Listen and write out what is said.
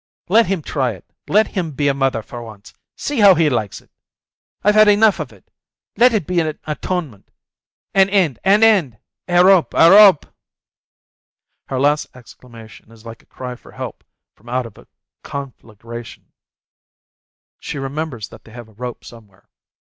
Let him try it, let him be a mother for once, see how he likes it! I've had enough of it! Let it be an atonement ! An end, an end ! A rope, a rope !!" Her last exclamation is like a cry for help from out of a conflagration. A WOMAN'S WRATH 61 She remembers that they have a rope somewhere.